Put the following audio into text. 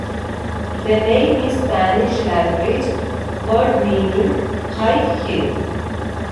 The name is Spanish language word meaning "high hill".